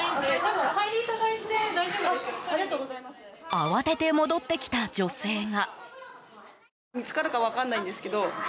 慌てて戻ってきた女性が。